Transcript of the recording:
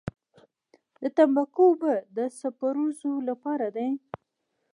د تنباکو اوبه د سپږو لپاره دي؟